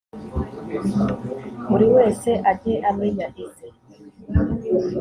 buri wese ajye amenya ize